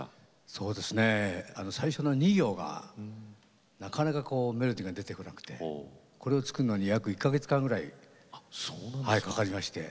そうですね最初の２行がなかなかメロディーが出てこなくてこれを作るのに約１か月間ぐらいかかりまして。